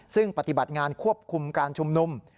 ซึ่งปฏิบัติงานควบคุมการชุมนุม